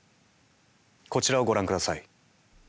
こちらをご覧ください。